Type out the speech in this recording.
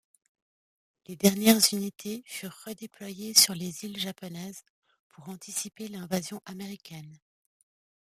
Les dernières unités furent redéployées sur les îles japonaises pour anticiper l'invasion américaine.